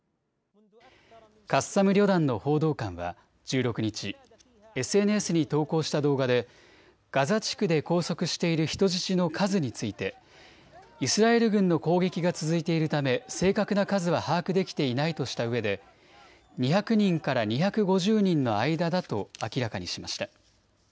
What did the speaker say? カッサム旅団の報道官は１６日、ＳＮＳに投稿した動画でガザ地区で拘束している人質の数についてイスラエル軍の攻撃が続いているため正確な数は把握できていないとしたうえで２００人から２５０人の間だと明らかにしました。